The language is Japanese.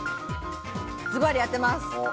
ズバリ当てます。